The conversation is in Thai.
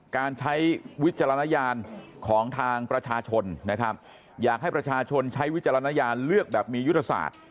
การใช้วิจารณญาณของทางประชาชนนะครับอยากให้ประชาชนใช้วิจารณญาณเลือกแบบมียุทธศาสตร์